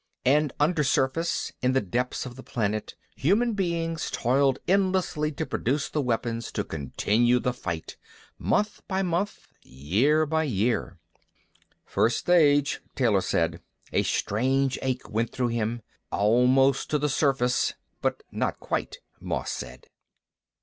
And undersurface, in the depths of the planet, human beings toiled endlessly to produce the weapons to continue the fight, month by month, year by year. "First stage," Taylor said. A strange ache went through him. "Almost to the surface." "But not quite," Moss said.